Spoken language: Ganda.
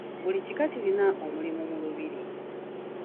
Buli kika kirina omulimu mu lubiri.